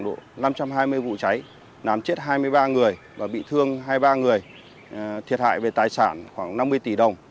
độ năm trăm hai mươi vụ cháy làm chết hai mươi ba người và bị thương hai mươi ba người thiệt hại về tài sản khoảng năm mươi tỷ đồng